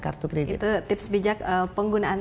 kartu kredit itu tips bijak penggunaan